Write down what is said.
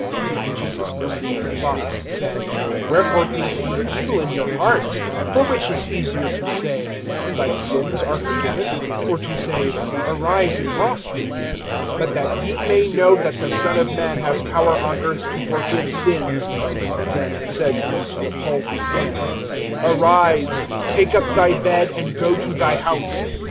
(4)And Jesus knowing their thoughts said: Wherefore think ye evil in your hearts? (5)For which is easier, to say: Thy sins are forgiven; or to say: Arise, and walk? (6)But that ye may know that the Son of man has power on earth to forgive sins, (then says he to the palsied man) Arise, take up thy bed, and go to thy house.